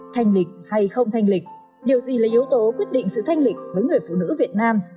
thanh lịch hay không thanh lịch điều gì là yếu tố quyết định sự thanh lịch với người phụ nữ việt nam